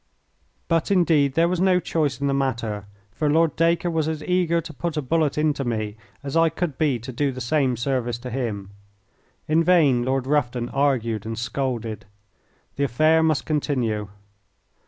But, indeed, there was no choice in the matter, for Lord Dacre was as eager to put a bullet into me as I could be to do the same service to him. In vain Lord Rufton argued and scolded. The affair must continue.